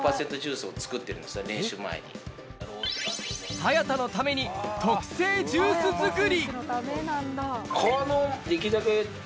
早田のために特製ジュース作り。